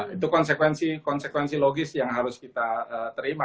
itu konsekuensi logis yang harus kita terima